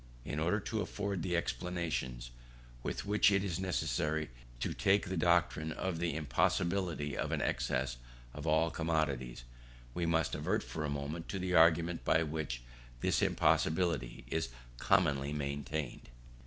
In order to afford the explanations, with which it is necessary to take the doctrine of the impossibility of an excess of all commodities, we must advert for a moment to the argument by which this impossibility is commonly maintained.